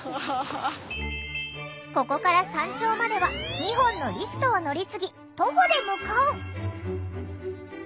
ここから山頂までは２本のリフトを乗り継ぎ徒歩で向かう。